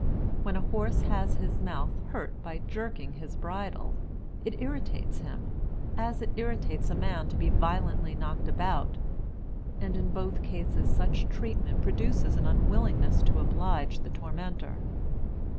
When a horse has his mouth hurt by jerking his bridle, it irritates him, as it irritates a man to be violently knocked about; and in both cases such treatment produces an unwillingness to oblige the tormentor.